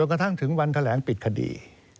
กระทั่งถึงวันแถลงปิดคดี